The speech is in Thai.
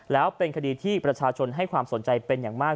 แล้วเป็นคดีที่ประชาชนให้ความสนใจเป็นอย่างมาก